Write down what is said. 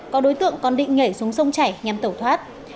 có đối tượng còn định nhảy xuống sông chảy nhằm tẩu thoát